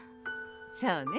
そうね